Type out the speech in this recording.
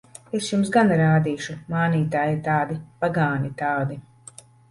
Es jums gan rādīšu! Mānītāji tādi! Pagāni tādi!